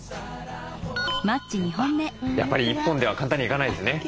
やっぱり１本では簡単にはいかないですね。